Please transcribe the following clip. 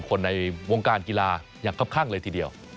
คนในวงการกีฬาอย่างครับข้างเลยทีเดียว